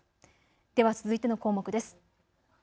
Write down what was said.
では続いての項目です。